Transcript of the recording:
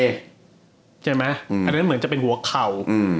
เห็นไหมอันนั้นเหมือนจะเป็นหัวเข่า